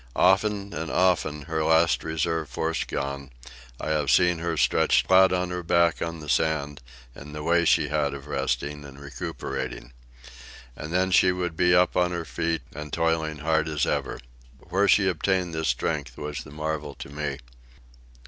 Often and often, her last reserve force gone, I have seen her stretched flat on her back on the sand in the way she had of resting and recuperating. And then she would be up on her feet and toiling hard as ever. Where she obtained this strength was the marvel to me.